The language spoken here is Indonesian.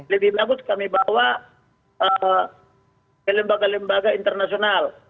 lebih bagus kami bawa ke lembaga lembaga internasional